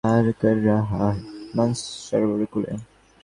পর্বতবাসিনী উমার মতোই ও যেন এক কল্প-তপোবনে বাস করে, মানস-সরোবরের কূলে।